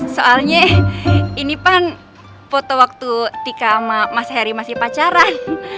soalnya ini pan foto waktu tika sama mas heri masih pacaran